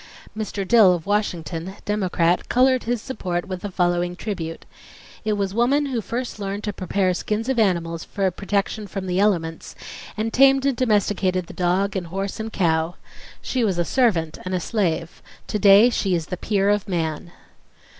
Mr. Dill of Washington, Democrat, colored his support with the following tribute: "... It was woman who first learned to prepare skins of animals for protection from the elements, and tamed and domesticated the dog and horse and cow. She was a servant and a slave .... To day she is the peer of man."